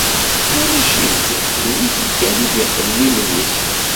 Ulac Illu! D wigi kan i d ixemmimen-is.